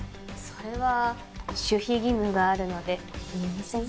それは守秘義務があるので言えません。